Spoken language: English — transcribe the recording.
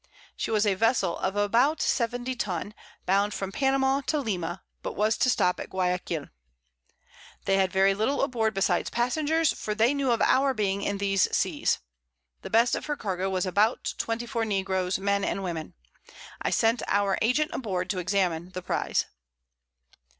She was a Vessel of about 70 Tun, bound from Panama to Lima, but was to stop at Guiaquil. They had very little aboard besides Passengers, for they knew of our being in these Seas: The best of her Cargo was about 24 Negroes, Men and Women. I sent our Agent aboard, to examine the Prize.